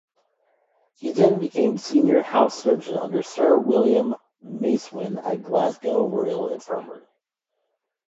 He then became senior house surgeon under Sir William Macewen at Glasgow Royal Infirmary.